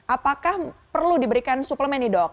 apakah perlu diberikan suplemen nih dok